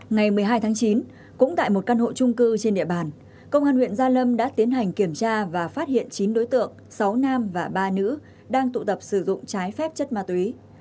ngày một mươi hai tháng chín cũng tại một căn hộ trung cư trên địa bàn công an huyện gia lâm đã tiến hành kiểm tra và phát hiện chín đối tượng sáu nam và ba nữ đang tụ tập sử dụng trái phép chất ma túy